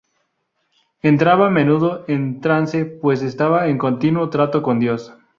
Entraba a menudo en trance, pues estaba en continuo trato con Dios.